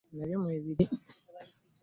Omwami wange mwagala nnyo